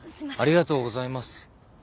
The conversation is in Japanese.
ありがとうございます。